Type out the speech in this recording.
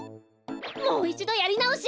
もういちどやりなおし！